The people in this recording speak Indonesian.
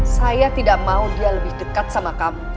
saya tidak mau dia lebih dekat sama kamu